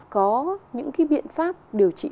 có những cái biện pháp điều trị